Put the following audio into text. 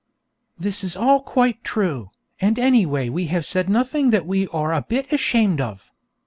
_ _This is all quite true, and anyway we have said nothing that we are a bit ashamed of.